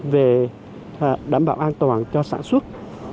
về đảm bảo an toàn cho sản xuất